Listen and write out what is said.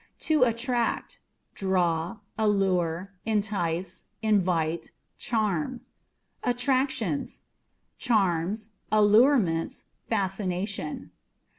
To Attractâ€" draw, allure, entice, invite, charm. Attractions â€" charms, allurements, fascination.